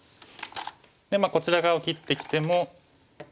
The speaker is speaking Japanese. でこちら側を切ってきても。